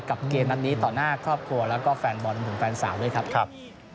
กับเกมนั้นนี้ต่อหน้าครอบครัวและแฟนบอลถึงแฟนสาวด้วยครับ